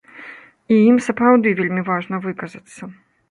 І ім сапраўды вельмі важна выказацца.